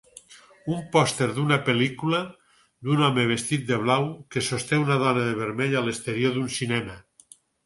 Un pòster d'una pel·lícula d'un home vestit de blau que sosté una dona de vermell a l'exterior d'un cinema